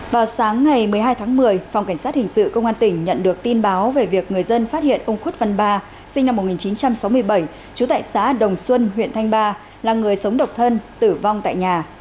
vào sáng ngày một mươi hai tháng một mươi phòng cảnh sát hình sự công an tỉnh nhận được tin báo về việc người dân phát hiện ông khuất văn ba sinh năm một nghìn chín trăm sáu mươi bảy trú tại xã đồng xuân huyện thanh ba là người sống độc thân tử vong tại nhà